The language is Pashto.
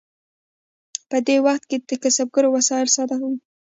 په دې وخت کې د کسبګرو وسایل ساده وو.